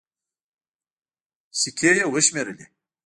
سيکې يې وشمېرلې.